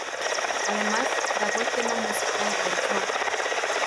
Además, grabó el tema musical del show.